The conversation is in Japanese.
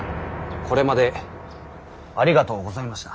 これまでありがとうございました。